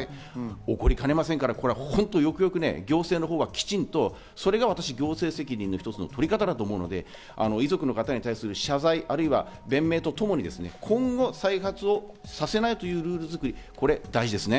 起こりかねませんから、よくよく行政のほうがきちんとそれが行政責任の取り方だと思うので、遺族の方に対する謝罪、弁明とともに今後、再発をさせないというルール作り、これが大事です。